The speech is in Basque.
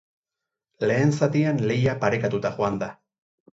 Lehen zatian lehia parekatuta joan da.